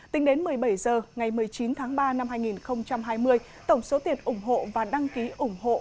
tính đến một mươi bảy h ngày một mươi chín tháng ba năm hai nghìn hai mươi tổng số tiền ủng hộ và đăng ký ủng hộ